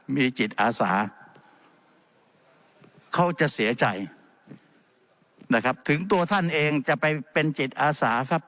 มีจิตอาสาเขาจะเสียใจนะครับถึงตัวท่านเองจะไปเป็นจิตอาสาครับ